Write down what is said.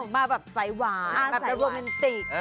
มาแบบสายหวานแบบโรแมนติก